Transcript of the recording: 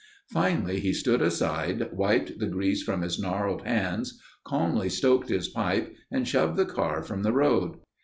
Finally he stood aside, wiped the grease from his gnarled hands, calmly stoked his pipe and shoved the car from the road.